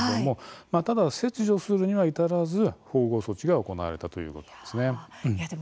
ただ、切除するには至らず縫合措置が行われたということです。